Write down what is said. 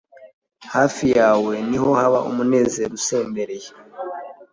hafi yawe ni ho haba umunezero usendereye